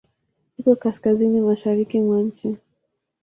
Iko Kaskazini mashariki mwa nchi.